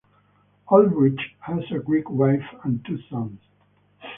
Olbrich has a Greek wife and two sons.